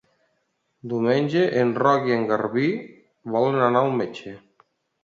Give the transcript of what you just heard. Diumenge en Roc i en Garbí volen anar al metge.